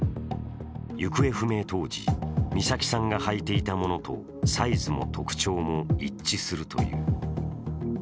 行方不明当時、美咲さんが履いていたものとサイズも特徴も一致するという。